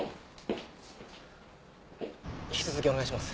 引き続きお願いします。